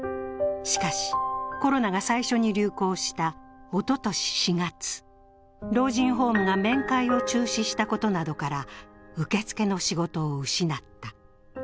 しかし、コロナが最初に流行したおととし４月、老人ホームが面会を中止したことなどから受け付けの仕事を失った。